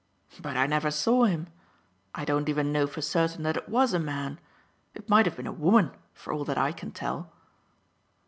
"But I never saw him. I don't even know for certain that it was a man. It might have been a woman for all that I can tell."